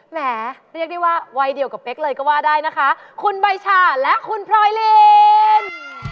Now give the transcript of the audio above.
แหมเรียกได้ว่าวัยเดียวกับเป๊กเลยก็ว่าได้นะคะคุณใบชาและคุณพลอยลิน